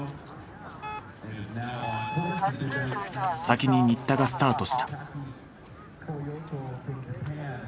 先に新田がスタートした。